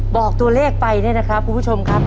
บอกตัวเลขไปเนี่ยนะครับคุณผู้ชมครับ